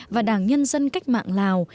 và đảng nhân dân cách mạng lào